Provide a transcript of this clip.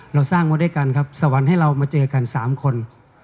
เราสร้างมาด้วยกันครับสวรรค์ให้เรามาเจอกัน๓คน